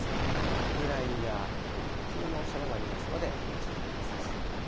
落雷や突風のおそれもありますのでご注意ください。